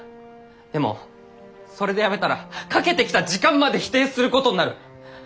でもそれでやめたらかけてきた時間まで否定することになる！